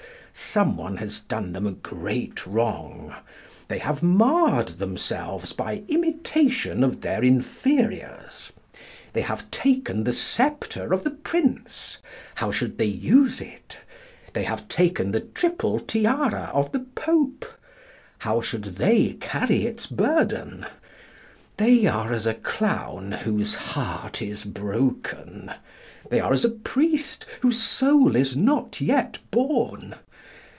Someone has done them a great wrong. They have marred themselves by imitation of their inferiors. They have taken the sceptre of the Prince. How should they use it? They have taken the triple tiara of the Pope. How should they carry its burden? They are as a clown whose heart is broken. They are as a priest whose soul is not yet born.